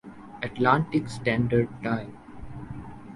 Atlantic standard time